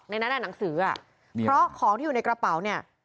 นั้นอ่ะหนังสืออ่ะเพราะของที่อยู่ในกระเป๋าเนี่ย